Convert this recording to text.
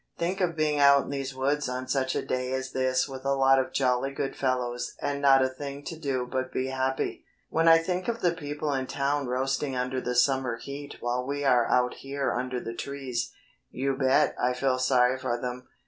Think of being out in these woods on such a day as this with a lot of jolly good fellows and not a thing to do but be happy. When I think of the people in town roasting under the summer heat while we are out here under the trees, you bet I feel sorry for them."